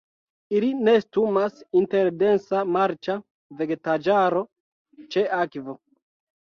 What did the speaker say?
Ili nestumas inter densa marĉa vegetaĵaro ĉe akvo.